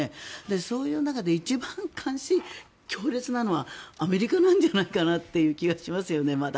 そういう中で一番、監視が強烈なのはアメリカなんじゃないかなって気がしますよね、まだ。